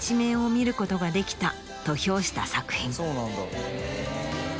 と評した作品。